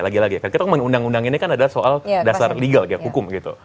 lagi lagi kan kita ngomongin undang undang ini kan adalah soal dasar legal ya hukum gitu